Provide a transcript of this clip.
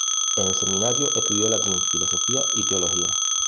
En el seminario estudió latín, filosofía y teología.